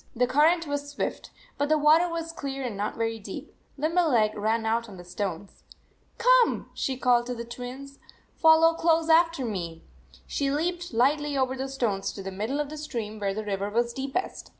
The current was swift, but the water was clear and not very deep. Limberleg ran out on the stones. "Come," she called to the Twins. " Fol low close after me." She leaped lightly over the stones to the middle of the stream, where the river was deepest.